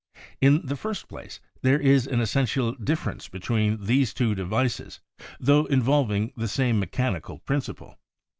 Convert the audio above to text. In the first place there is an essential difference be tween these two devices tho involving the same mechanical principle.